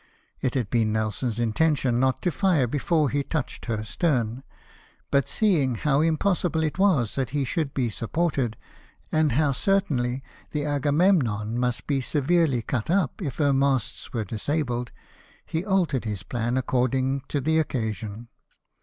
It had been Nelson's intention not to fire before he touched her stern ; but seeing how impossible it was that he should be supported, and how certainly the Agamemnon must be severely cut up if her masts were disabled, he altered his plan according to the occasion.